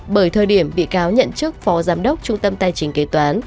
bởi thời điểm bị cáo nhận chức phó giám đốc trung tâm tài chính kế toán